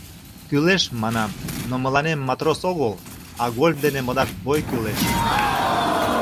— Кӱлеш, — манам, — но мыланем матрос огыл, а гольф дене модаш бой кӱлеш.